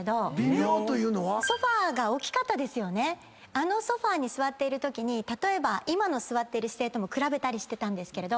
あのソファに座っているときに例えば今の座ってる姿勢とも比べたりしてたんですけれど。